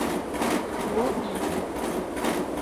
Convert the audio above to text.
Лу ий.